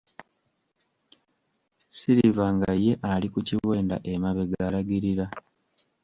Silver nga ye ali ku kiwenda emabega alagirira.